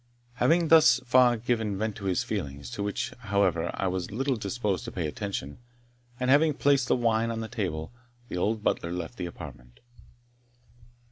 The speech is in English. Having thus far given vent to his feelings, to which, however, I was little disposed to pay attention, and having placed the wine on the table, the old butler left the apartment.